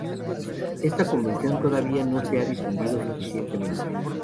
Esta convención todavía no se ha difundido suficientemente.